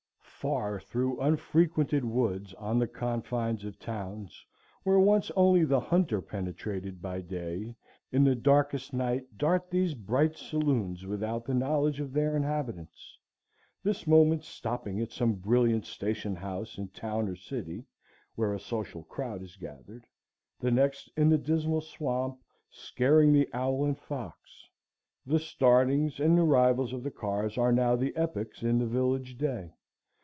Far through unfrequented woods on the confines of towns, where once only the hunter penetrated by day, in the darkest night dart these bright saloons without the knowledge of their inhabitants; this moment stopping at some brilliant station house in town or city, where a social crowd is gathered, the next in the Dismal Swamp, scaring the owl and fox. The startings and arrivals of the cars are now the epochs in the village day.